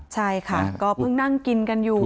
ใช่ค่ะก็เพิ่งนั่งกินกันอยู่